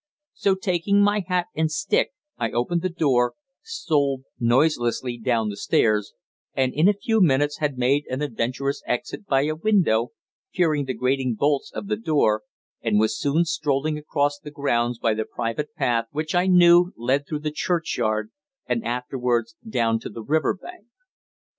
So taking my hat and stick I opened the door, stole noiselessly down the stairs, and in a few minutes had made an adventurous exit by a window fearing the grating bolts of the door and was soon strolling across the grounds by the private path, which I knew led through the churchyard and afterwards down to the river bank.